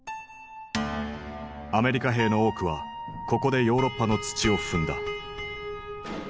アメリカ兵の多くはここでヨーロッパの土を踏んだ。